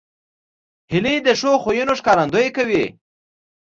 هیلۍ د ښو خویونو ښکارندویي کوي